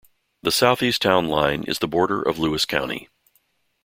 The southeast town line is the border of Lewis County.